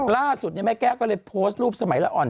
เราก็รู้กัน